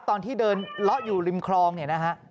ตอนที่เดินเลาะอยู่ริมคลองเนี่ยนะฮะ